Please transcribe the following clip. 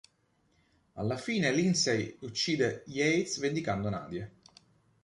Alla fine Lindsay uccide Yates, vendicando Nadia.